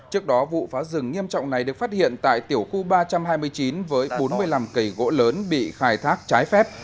trước đó vụ phá rừng nghiêm trọng này được phát hiện tại tiểu khu ba trăm hai mươi chín với bốn mươi năm cây gỗ lớn bị khai thác trái phép